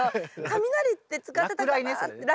雷って使ってたかなって。